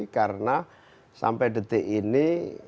karena sampai detik ini